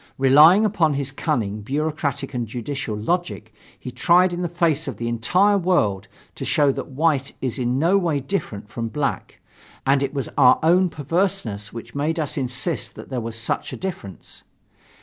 Relying upon his cunning, bureaucratic and judicial logic, he tried in the face of the entire world to show that white is in no way different from black, and it was our own perverseness which made us insist that there was such a difference.